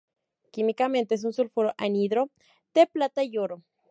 Químicamente es un sulfuro anhidro de plata y oro.